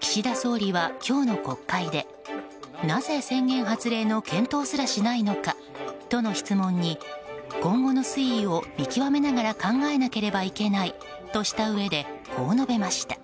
岸田総理は今日の国会でなぜ宣言発令の検討すらしないのかとの質問に今後の推移を見極めながら考えなければいけないとしたうえでこう述べました。